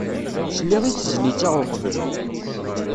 Sliɣ i tezlit-a uqbel.